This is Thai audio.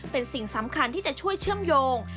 เป็นสิ่งสำคัญที่จะช่วยเชื่อมโยง